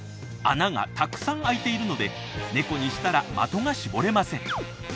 穴がたくさん開いているのでネコにしたら的が絞れません。